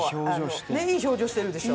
いい表情してるでしょ。